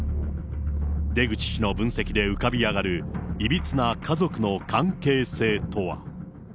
出口氏の分析で浮かび上がるいびつな家族の関係性とは。